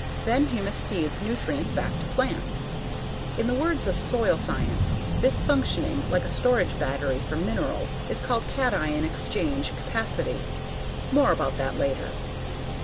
Then humus feeds nutrients back to plants. In the words of soil science, this functioning like a storage battery for minerals is called cation exchange capacity. More about that later.